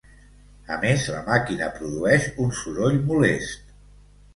A més, la màquina produeix un soroll molest.